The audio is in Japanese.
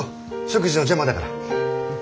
食事の邪魔だから。